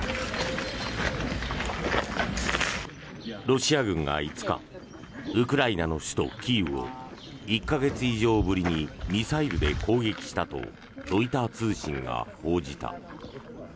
ロシア軍が５日ウクライナの首都キーウを１か月以上ぶりにミサイルで攻撃したとロイター通信が報じた。